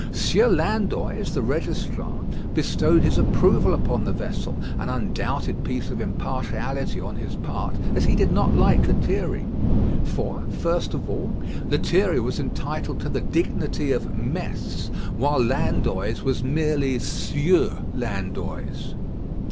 Sieur Landoys, the registrar, bestowed his approval upon the vessel an undoubted piece of impartiality on his part, as he did not like Lethierry. For, first of all, Lethierry was entitled to the dignity of "Mess," while Landoys was merely "Sieur Landoys."